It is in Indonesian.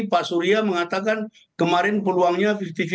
pak surya mengatakan kemarin peluangnya lima puluh lima